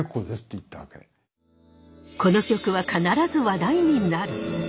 この曲は必ず話題になる。